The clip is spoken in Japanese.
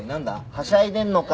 はしゃいでんのか？